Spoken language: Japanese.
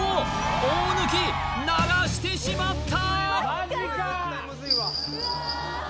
大貫鳴らしてしまった！